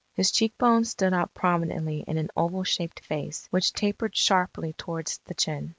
His cheek bones stood out prominently in an oval shaped face, which tapered sharply towards the chin.